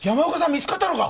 見つかったのか！